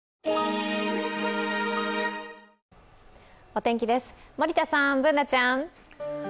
お天気です、森田さん、Ｂｏｏｎａちゃん。